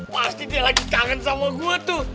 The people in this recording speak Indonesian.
pasti dia lagi kangen sama gue tuh